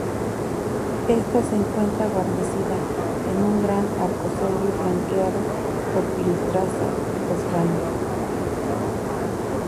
Esta se encuentra guarnecida en un gran arcosolio flanqueado por pilastras toscanas.